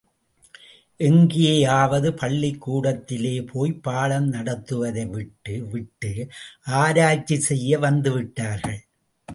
எங்கேயாவது பள்ளிக்கூடத்திலே போய்ப் பாடம் நடத்துவதை விட்டு விட்டு, ஆராய்ச்சி செய்ய வந்துவிட்டார்கள்!